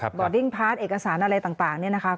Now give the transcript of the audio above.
บอร์ดิงพลาสเอกสารอะไรต่างนะคะ